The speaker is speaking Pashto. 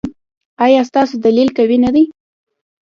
ایا ستاسو دلیل قوي نه دی؟